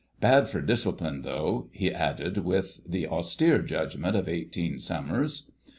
Bad for discipline, though," he added with the austere judgment of eighteen summers.